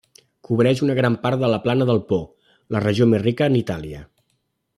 Cobreix una gran part de la plana del Po, la regió més rica en Itàlia.